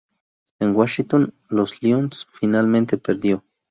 En Washington, los Lions finalmente perdió.